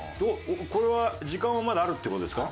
これは時間はまだあるって事ですか？